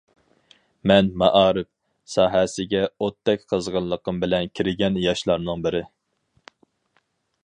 مەن، مائارىپ ساھەسىگە ئوتتەك قىزغىنلىقىم بىلەن كىرگەن ياشلارنىڭ بىرى.